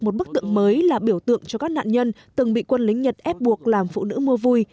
một bức tượng mới là biểu tượng cho các nạn nhân từng bị quân lính nhật ép buộc làm phụ nữ mua vui